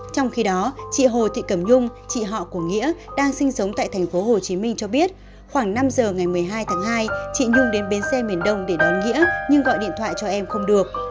trong khi đó chị hồ thị cẩm nhung chị họ của nghĩa đang sinh sống tại tp hcm cho biết khoảng năm giờ ngày một mươi hai tháng hai chị nhung đến bến xe miền đông để đón nghĩa nhưng gọi điện thoại cho em không được